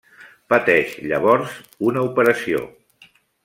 Pateix llavors una operació.